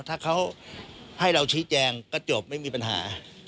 ถ้าเขาให้เราชี้แจงก็จบไม่มีปัญหา